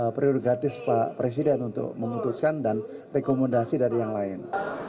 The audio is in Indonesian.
prioritas gratis pak presiden untuk mengutuskan dan rekomendasi dari yang lain